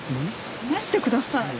離してください。